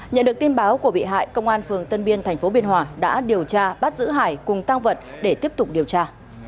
nhận được tin báo của bị hại công an tp biên hòa đã điều tra bắt giữ hải cùng tang vật để tiếp tục điều tra